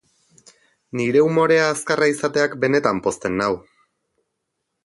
Nire umorea azkarra izateak benetan pozten nau.